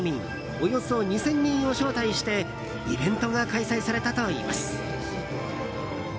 およそ２０００人を招待してイベントが開催されたといいます。